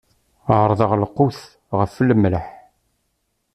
Ɛerḍeɣ lqut ɣef lmelḥ.